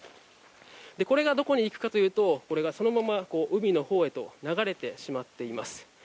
これがどこに行くかというとそのまま海のほうへと流れてしまっています。